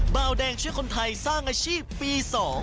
เบาแดงช่วยคนไทยสร้างอาชีพปี๒